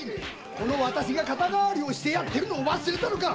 この私が肩代わりをしてやってるのを忘れたのか？